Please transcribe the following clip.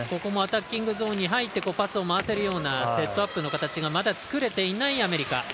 アタッキングゾーンに入ってパスを回せるようなセットアップの形がまだ作れていないアメリカ。